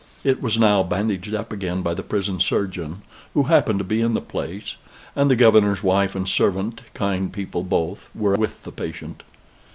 It was now bandaged up again by the prison surgeon, who happened to be in the place; and the governor's wife and servant, kind people both, were with the patient.